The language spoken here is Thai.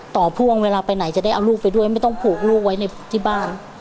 พ่วงเวลาไปไหนจะได้เอาลูกไปด้วยไม่ต้องผูกลูกไว้ในที่บ้าน